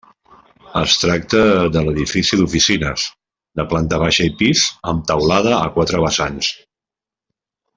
Es tracta de l'edifici d'oficines, de planta baixa i pis, amb teulada a quatre vessants.